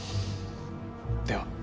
では。